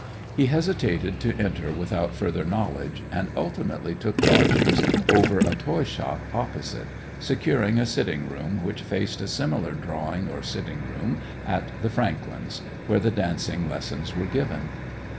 He hesitated to enter without further knowledge, and ultimately took lodgings over a toyshop opposite, securing a sitting room which faced a similar drawing or sitting room at the Franklands', where the dancing lessons were given.